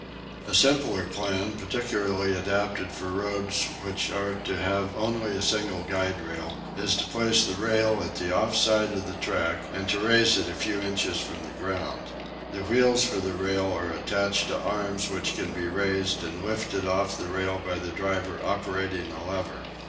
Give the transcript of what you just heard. A simpler plan, particularly adapted for roads which are to have only a single guide rail, is to place the rail at the off side of the track, and to raise it a few inches from the ground. The wheels for the rail are attached to arms which can be raised and lifted off the rail by the driver operating a lever.